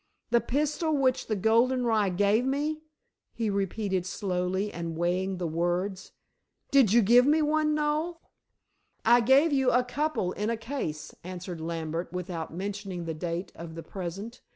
"The pistol which the golden rye gave me?" he repeated slowly and weighing the words. "Did you give me one, Noel?" "I gave you a couple in a case," answered Lambert without mentioning the date of the present.